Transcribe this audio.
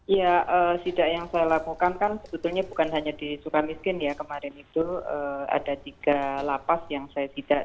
ya sidak yang saya lakukan kan sebetulnya bukan hanya di sukamiskin ya kemarin itu ada tiga lapas yang saya sidak